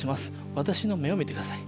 私の目を見てください